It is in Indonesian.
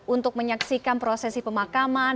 untuk menyaksikan prosesi pemakaman